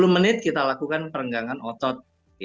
sepuluh menit kita lakukan perenggangan otot